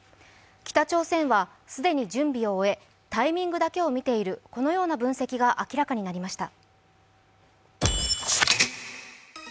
北朝鮮は既に準備を終えタイミングだけを見ているこのような分析が明らかになりました。